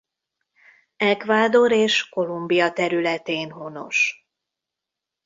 Ecuador és Kolumbia területén honos.